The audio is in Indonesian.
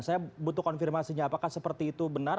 saya butuh konfirmasinya apakah seperti itu benar